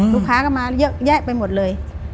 ลูกค้าก็มาเยอะแยะไปหมดเลย